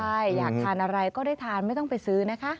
ใช่อยากทานอะไรก็ได้ทานไม่ต้องไปซื้อนะคะ